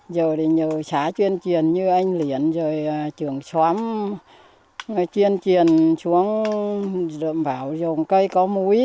giờ thì nhiều xá chuyên truyền như anh liền rồi trưởng xóm chuyên truyền xuống rượm bảo rồng cây có múi